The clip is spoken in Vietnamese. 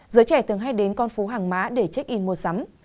giới trẻ thường hay đến con phố hàng mã để check in mua sắm